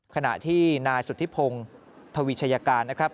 ขณะที่นายสุธิพงศ์ทวีชัยการนะครับ